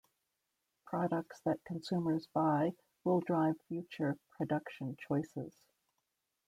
Products that consumers buy will drive future production choices.